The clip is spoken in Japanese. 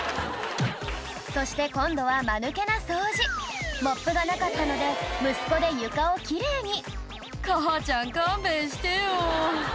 そして今度はマヌケな掃除モップがなかったので息子で床を奇麗に「母ちゃん勘弁してよ」